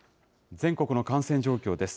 全国の感染状況です。